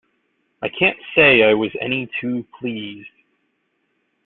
I can't say I was any too pleased.